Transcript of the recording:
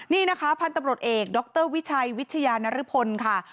นี่นะคะพันธุ์ตำรวจเอกดรวิชัยวิทยานรพลค่ะ